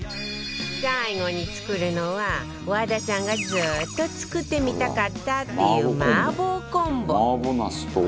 最後に作るのは和田さんがずーっと作ってみたかったっていう麻婆コンボ